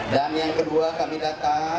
dan yang kedua kami datang